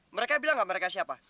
mereka bilang nggak mereka siapa